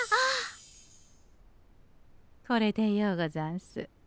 これでようござんす。